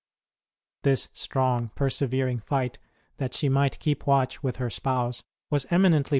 This strong, persevering fight that she might keep watch with her Spouse was eminently 142 ST.